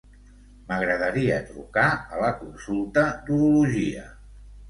M'agradaria trucar a la consulta d'urologia.